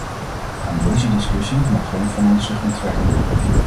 Aan deze discussie mag geen van ons zich onttrekken.